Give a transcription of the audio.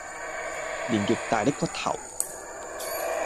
連極大的骨頭，